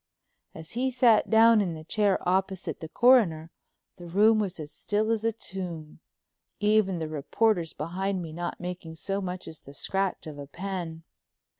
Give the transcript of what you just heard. As he sat down in the chair opposite the Coroner, the room was as still as a tomb, even the reporters behind me not making so much as the scratch of a pen.